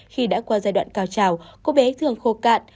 khi đã qua giai đoạn cao trào cô bé thường khô cạn